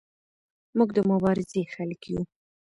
موږ د مبارزې خلک یو.